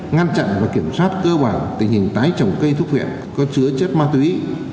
ngăn chặn và kiểm soát cơ bản tình hình tái trồng cây thuốc huyện có chứa chất ma túy